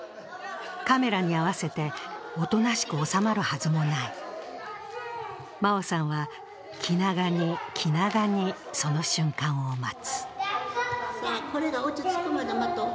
カメラに合わせておとなしく収まるはずもない真生さんは気長に、気長に、その瞬間を待つ。